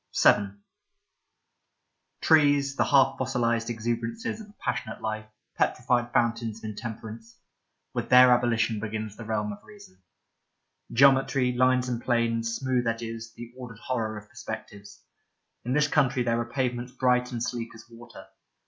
5 2 Leda VII TREES, the half fossilised exuberances of a passionate life, petrified fountains of intemperance — ^with their abolition begins the realm of reason. Geometry, lines and planes, smooth edges, the ordered horror of perspectives. In this country there are pavements bright and sleek as water.